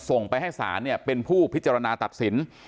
ส่งไปให้ศาลเป็นผู้พิจารณาตัดสิน